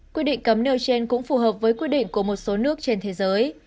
quy định cấm nêu trên cũng phù hợp với quy định của một số nước trên thế giới